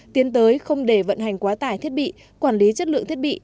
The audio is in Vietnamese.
tiến tới không để vận hành quá tải thiết bị quản lý chất lượng thiết bị